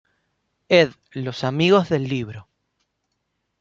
Ed Los Amigos del Libro.